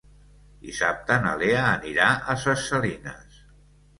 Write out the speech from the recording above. Dissabte na Lea anirà a Ses Salines.